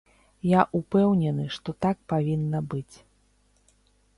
Я ўпэўнены, што так павінна быць.